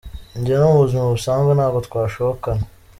Njye no mu buzima busanzwe ntabwo twashobokana.